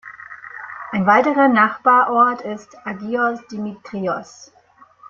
Ein weiterer Nachbarort ist Agios Dimitrios.